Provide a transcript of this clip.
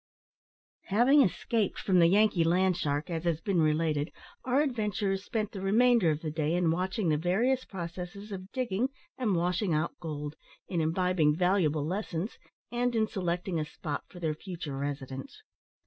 Having escaped from the Yankee land shark, as has been related, our adventurers spent the remainder of the day in watching the various processes of digging and washing out gold, in imbibing valuable lessons, and in selecting a spot for their future residence.